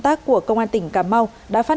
tại khu vực phường bốn quận tân bình tp hcm